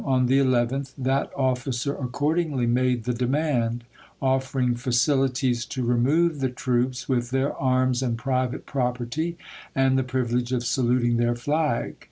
on the 11th that officer accordingly gaM to^in made the demand, offering facilities to remove the Api!iri8Gi. troops, with their arms and private property, and I., p. 13. ■ the privilege of saluting their flag.